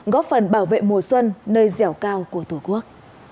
góp phần bảo vệ mùa xuân nơi dẻo cao của tổ quốc